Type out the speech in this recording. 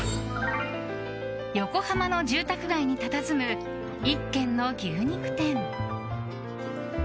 横浜の住宅街にたたずむ１軒の牛肉店。